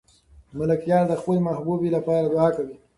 ملکیار د خپلې محبوبې لپاره دعا کوي.